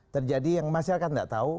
terjadi yang masyarakat tidak tahu